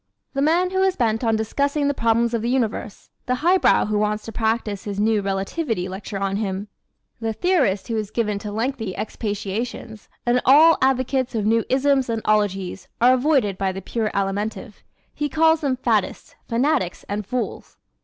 The man who is bent on discussing the problems of the universe, the highbrow who wants to practise his new relativity lecture on him, the theorist who is given to lengthy expatiations, and all advocates of new isms and ologies are avoided by the pure Alimentive. He calls them faddists, fanatics and fools.